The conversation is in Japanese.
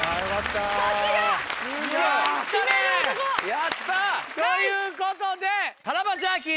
やった！ということで。